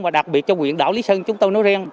và đặc biệt cho huyện đảo lý sơn chúng tôi nói riêng